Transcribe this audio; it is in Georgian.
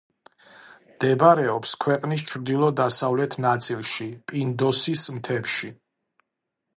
მდებარეობს ქვეყნის ჩრდილო-დასავლეთ ნაწილში პინდოსის მთებში.